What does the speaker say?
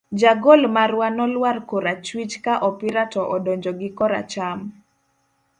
Jagol marwa nolwar korachwich, ka opira to odonjo gi koracham.